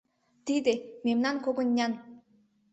Тиде — мемнан когыньнан!